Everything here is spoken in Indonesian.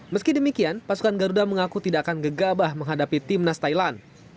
meski demikian pasukan garuda mengaku tidak akan gegabah menghadapi timnas thailand